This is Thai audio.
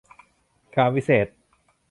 กาลวิเศษณ์